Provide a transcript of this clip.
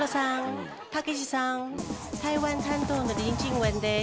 台湾担当のリン・チンウェンです。